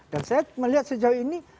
dan saya melihat sejauh ini